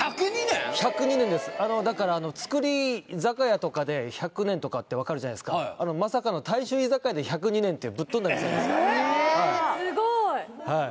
１０２年ですだから造り酒屋とかで１００年とかって分かるじゃないすかまさかのっていうぶっとんだ店なんですスゴい！